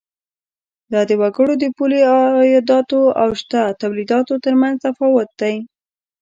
دا د وګړو د پولي عایداتو او شته تولیداتو تر مینځ تفاوت دی.